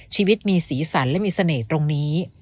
ชีวิตมีสีสันและมีเสน่ห์ตรงนี้